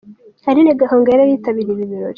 Aline Gahongayire yari yitabiriye ibi birori.